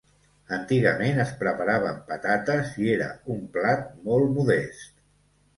Antigament es preparava amb patates i era un plat molt modest.